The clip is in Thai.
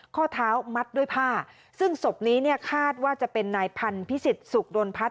ข้อเท้ามัดด้วยผ้าซึ่งศพนี้เนี่ยคาดว่าจะเป็นนายพันธิสิทธิ์สุขโดนพัฒน